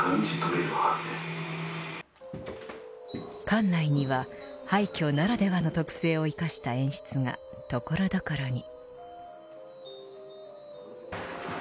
館内には廃虚ならではの特性を生かした演出が所々に。